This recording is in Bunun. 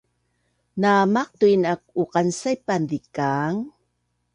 Na maqtuin aak uqansaipan zikaang